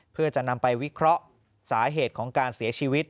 เพื่อจะนำไปวิเคราะห์สาเหตุของการเสียชีวิต